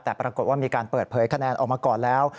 แต่ปรากฏว่ามีการเปิดเผยคะแนนออกมาก่อนแล้ว